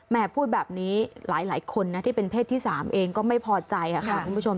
พูดแบบนี้หลายคนนะที่เป็นเพศที่๓เองก็ไม่พอใจค่ะคุณผู้ชม